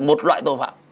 một loại tội phạm